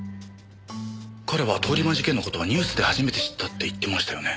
彼は通り魔事件の事はニュースで初めて知ったって言ってましたよね？